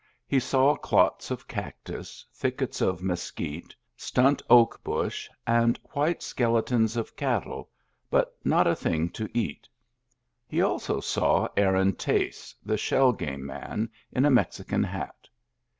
He saw clots of cactus, thickets of mesquite, stunt oak bush, and white skeletons of cattle, but not a thing to eat He also saw Aaron Tace, the shell game man, in a Mexican hat.